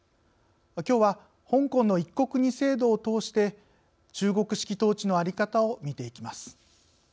きょうは、香港の「一国二制度」を通して中国式統治の在り方を見ていきます。